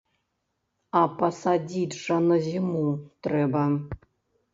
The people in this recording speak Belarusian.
А пасадзіць жа на зіму трэба.